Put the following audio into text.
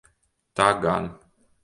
Tā gan.